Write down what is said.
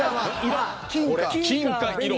金か色。